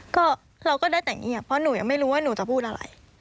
ก็เราก็ได้แต่เงียบเพราะหนูยังไม่รู้ว่าหนูจะพูดอะไร